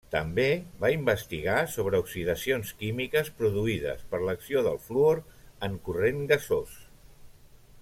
També va investigar sobre oxidacions químiques produïdes per l'acció del fluor en corrent gasós.